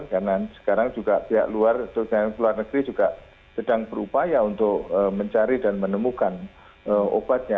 karena sekarang juga pihak luar dan pihak luar negeri juga sedang berupaya untuk mencari dan menemukan obatnya